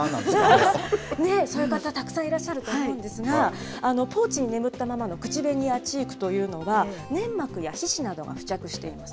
ね、そういう方たくさんいらっしゃると思うんですが、ポーチに眠ったままの口紅やチークというのは、粘膜や皮脂などが付着しています。